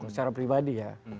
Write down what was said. secara pribadi ya